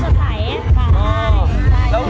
ถ้าเป็นไวรูดก็ใหม่สีสุดใส